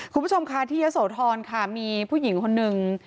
คุณผู้ชมค่ะที่ยะโสธรค่ะมีผู้หญิงคนหนึ่ง